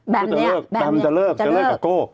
ก็จะเลิกแบมจะเลิกจะเลิกกับโก้